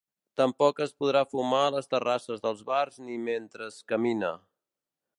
Tampoc es podrà fumar a les terrasses dels bars ni mentre es camina.